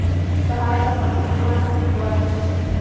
په هغه ذات قسم چي زما نفس ئې په واك كي دی